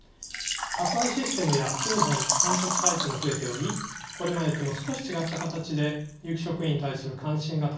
宅配システムや通販産直サイトも増えておりこれまでとも少し違った形で有機食品に対する関心が高まっていると感じます。